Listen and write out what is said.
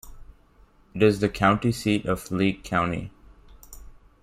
It is the county seat of Leake County.